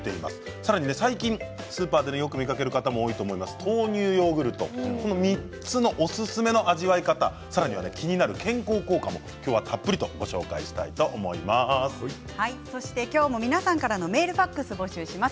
さらに最近スーパーでよく見かける方も多いと思います豆乳ヨーグルト、この３つのおすすめの味わい方さらには気になる健康効果も今日はたっぷりとご紹介したいと今日も皆さんからもメール、ファックス募集します。